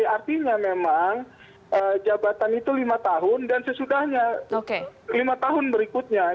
artinya memang jabatan itu lima tahun dan sesudahnya lima tahun berikutnya